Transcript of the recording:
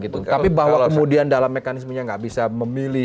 tapi bahwa kemudian dalam mekanismenya nggak bisa memilih